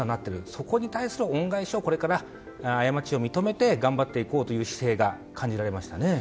そこに対する恩返しを過ちを認めて頑張っていこうという姿勢が感じられましたね。